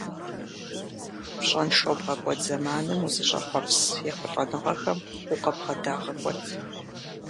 Пщӏэншэу бгъэкӏуэд зэманым узыщӏэхъуэпс ехъулӏэныгъэхэм укъыбгъэдагъэкӏуэт.